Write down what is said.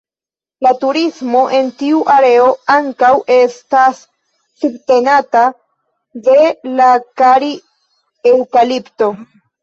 La turismo en tiu areo ankaŭ estas subtenata de la kari-eŭkalipto.